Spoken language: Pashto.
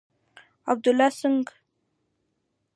عبدالله څنگه.